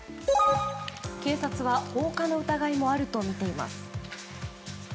警察は放火の疑いもあるとみています。